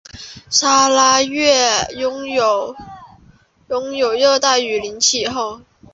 砂拉越拥有热带雨林气候。